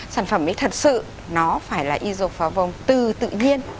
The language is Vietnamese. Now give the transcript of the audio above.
sản phẩm ấy thật sự nó phải là isofarvon từ tự nhiên